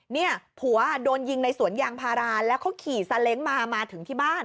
เนี่ยผัวโดนยิงในสวนยางพาราแล้วเขาขี่ซาเล้งมามาถึงที่บ้าน